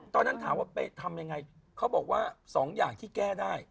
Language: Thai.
ตอนนั้นถามว่าไปทำยังไงเขาบอกว่าสองอย่างที่แก้ได้